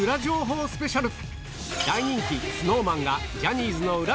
大人気ＳｎｏｗＭａｎがジャニーズの裏